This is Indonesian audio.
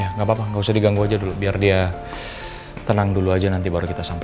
ya nggak apa apa nggak usah diganggu aja dulu biar dia tenang dulu aja nanti baru kita sampai